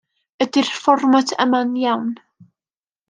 Ydy'r fformat yma'n iawn?